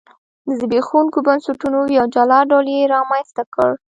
د زبېښونکو بنسټونو یو جلا ډول یې رامنځته کړ.